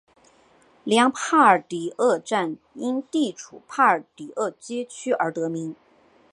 里昂帕尔迪厄站因地处帕尔迪厄街区而得名。